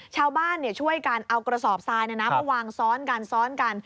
ชาวบ้านช่วยกันเอากระสอบทรายมาวางซ้อนกันซ้อนกัน